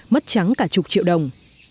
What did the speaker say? mất trắng cả chục triệu đồng